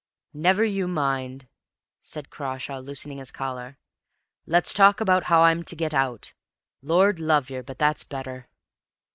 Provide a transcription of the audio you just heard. "Never you mind," said Crawshay, loosening his collar; "let's talk about how I'm to get out. Lord love yer, but that's better!"